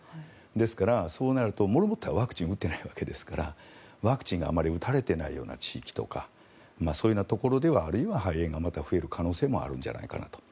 ですから、そうなるとモルモットはワクチン打ってないわけですからワクチンがあまり打たれていないような地域とかそういうようなところではあるいは肺炎がまた増える可能性があるんじゃないかなと。